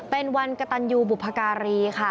เป็นวันกระตันยูบุพการีค่ะ